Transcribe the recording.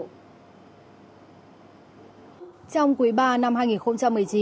trong quý ba năm hai nghìn một mươi chín